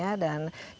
apa harapan mereka